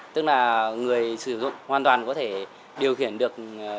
tức là người sử dụng hoàn toàn có thể điều khiển được